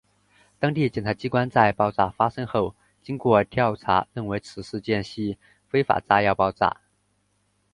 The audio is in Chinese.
当地检察机关在爆炸发生后经过调查认为此事件系非法炸药爆炸。